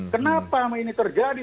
kenapa ini terjadi